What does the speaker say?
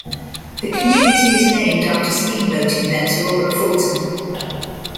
The community is named after steamboat inventor, Robert Fulton.